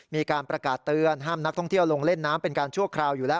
มีการประกาศเตือนห้ามนักท่องเที่ยวลงเล่นน้ำเป็นการชั่วคราวอยู่แล้ว